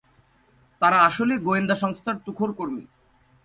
তারা আসলে গোয়েন্দা সংস্থার তুখোড় কর্মী।